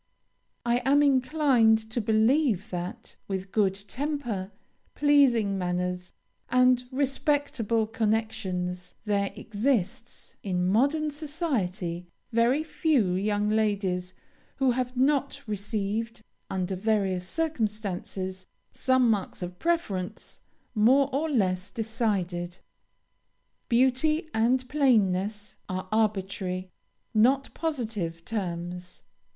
I am inclined to believe that, with good temper, pleasing manners, and respectable connections, there exists, in modern society, very few young ladies who have not received under various circumstances, some marks of preference, more or less decided. Beauty and plainness are arbitrary, not positive, terms.